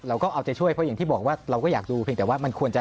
เราก็เอาใจช่วยเพราะอย่างที่บอกว่าเราก็อยากดูเพียงแต่ว่ามันควรจะ